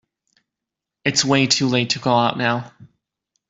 It's way too late to go out now.